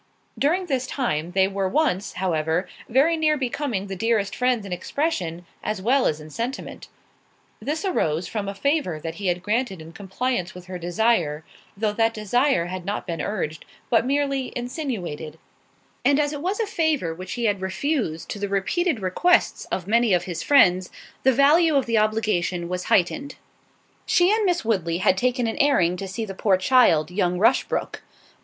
During this time they were once, however, very near becoming the dearest friends in expression, as well as in sentiment. This arose from a favour that he had granted in compliance with her desire, though that desire had not been urged, but merely insinuated; and as it was a favour which he had refused to the repeated requests of many of his friends, the value of the obligation was heightened. She and Miss Woodley had taken an airing to see the poor child, young Rushbrook.